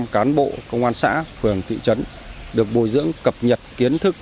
một trăm cán bộ công an xã phường thị trấn được bồi dưỡng cập nhật kiến thức